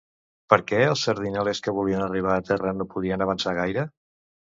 Per què els sardinalers que volien arribar a terra no podien avançar gaire?